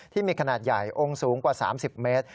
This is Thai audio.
ที่มีขนาดใหญ่องค์สูงกว่า๓๐เมตร